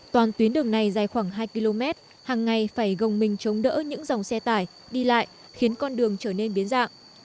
toàn tuyến đường này dài khoảng hai km hàng ngày phải gồng mình chống đỡ những dòng xe tải đi lại khiến con đường trở nên biến dạng